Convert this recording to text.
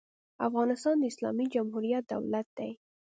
افغانستان د اسلامي جمهوري دولت دی.